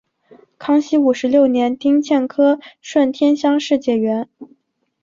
康熙五十六年丁酉科顺天乡试解元。